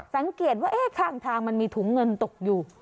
สังเกตว่าข้างทางมันมีถุงเงินตกอยู่